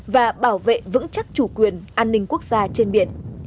và bảo vệ vững chắc chủ quyền an ninh quốc gia trên biển